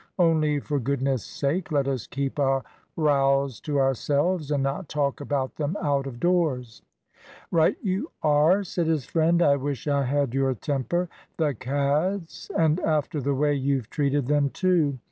Only, for goodness' sake, let us keep our rows to ourselves, and not talk about them out of doors." "Right you are!" said his friend. "I wish I had your temper. The cads! And after the way you've treated them, too.